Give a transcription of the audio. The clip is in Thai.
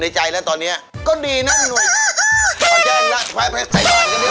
โปรดแฉนละไทยก่อนก็ได้